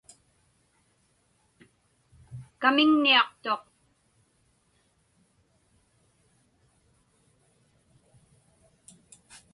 Kamiŋniaqtuq.